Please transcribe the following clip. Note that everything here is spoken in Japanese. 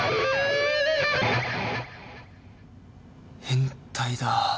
変態だ。